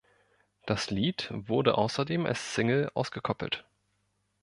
Das Lied wurde außerdem als Single ausgekoppelt.